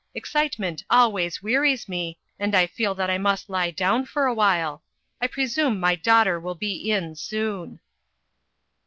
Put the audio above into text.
Excitement always wearies me, and I feel that I must lie down for awhile. I presume my daughter will be in soon."